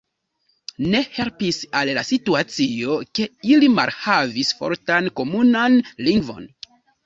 Ne helpis al la situacio, ke ili malhavis fortan komunan lingvon.